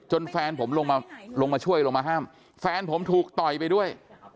แฟนผมลงมาลงมาช่วยลงมาห้ามแฟนผมถูกต่อยไปด้วย